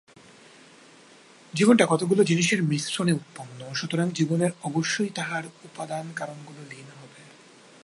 জীবনটা কতকগুলি জিনিষের মিশ্রণে উৎপন্ন, সুতরাং জীবন অবশ্যই তার উপাদান-কারণগুলিতে লীন হবে।